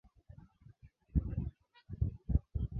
Kihispania asilimia kumi na mbili Dini Nchini